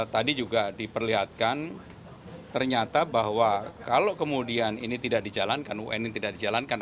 tadi juga diperlihatkan ternyata bahwa kalau kemudian ini tidak dijalankan un ini tidak dijalankan